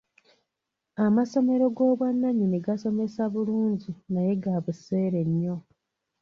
Amasomero g'obwannannyini gasomesa bulungi naye ga buseere nnyo.